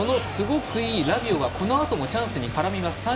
ラビオがこのあともチャンスに絡みます。